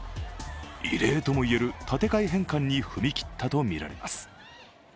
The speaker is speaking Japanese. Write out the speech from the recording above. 異例とも言える立て替え返還に踏み切ったとみられます。